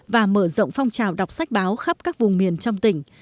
và mở rộng phong trào đọc sách báo khắp các vùng miền trong tỉnh